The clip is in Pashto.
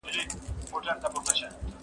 زه پرون ليکنه وکړه.